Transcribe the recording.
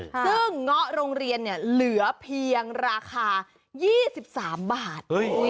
ซึ่งเงาะโรงเรียนเหลือเพียงราคา๒๓บาท